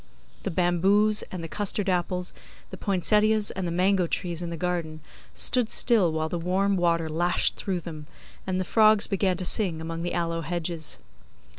The bamboos, and the custard apples, the poinsettias, and the mango trees in the garden stood still while the warm water lashed through them, and the frogs began to sing among the aloe hedges.